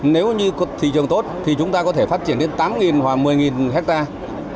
nếu như thị trường tốt thì chúng ta có thể phát triển đến tám hoặc một mươi hectare